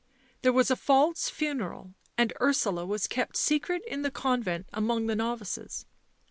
There was a false funeral, and Ursula was kept secret in the convent among the novices.